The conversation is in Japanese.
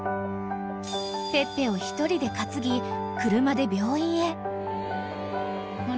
［ペッペを一人で担ぎ車で病院へ］